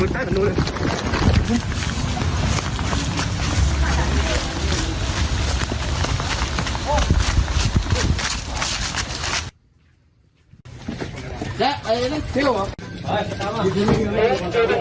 เที่ยวเหรอไปทำแผลไปทำแผล